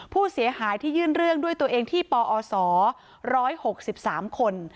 ผู้เสียหายที่ยื่นเรื่องด้วยตัวเองที่ปอศ๑๖๓คน